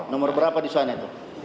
nomor berapa di sana itu